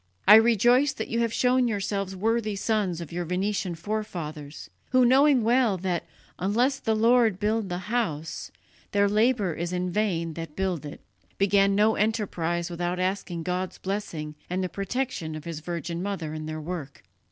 I rejoice that you have shown yourselves worthy sons of your Venetian forefathers, who, knowing well that 'unless the Lord build the house, their labour is in vain that build it,' began no enterprise without asking God's blessing and the protection of His Virgin Mother in their work."